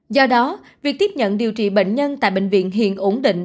do đó việc tiếp nhận điều trị bệnh nhân tại bệnh viện hiện ổn định